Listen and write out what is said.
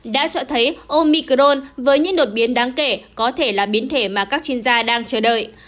đã cho thấy omicron với những đột biến đáng kể có thể là biến thể mà các chuyên gia đang chờ đợi